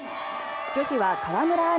女子は川村あん